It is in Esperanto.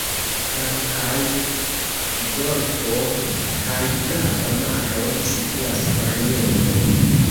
La Bohaj-golfo kaj Flava Maro situas oriente.